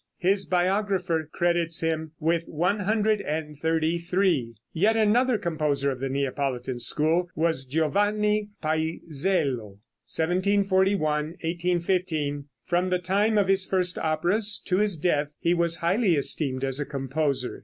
His biographer credits him with one hundred and thirty three. Yet another composer of the Neapolitan school was Giovanni Paisiello (1741 1815). From the time of his first operas to his death, he was highly esteemed as a composer.